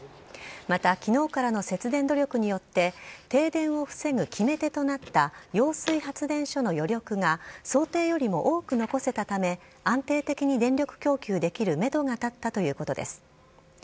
また、きのうからの節電努力によって、停電を防ぐ決め手となった揚水発電所の余力が想定よりも多く残せたため、安定的に電力供給できるメドが立ったということです。